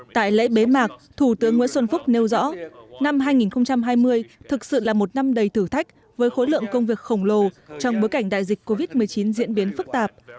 tại lễ bế mạc thủ tướng nguyễn xuân phúc nêu rõ năm hai nghìn hai mươi thực sự là một năm đầy thử thách với khối lượng công việc khổng lồ trong bối cảnh đại dịch covid một mươi chín diễn biến phức tạp